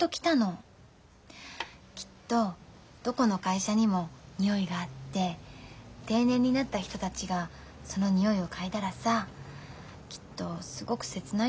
きっとどこの会社にも匂いがあって定年になった人たちがその匂いを嗅いだらさきっとすごく切ないと思う。